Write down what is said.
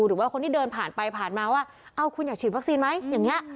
หรือว่าคนที่เดินผ่านไปผ่านมาว่าเอ้าคุณอยากฉีดวัคซีนไหมอย่างนี้